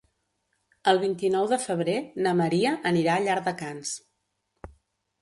El vint-i-nou de febrer na Maria anirà a Llardecans.